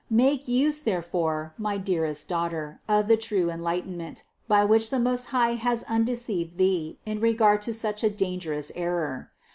456. Make use therefore, my dearest daughter, of the true enlightenment, by which the Most High has un deceived thee in regard to such a dangerous error.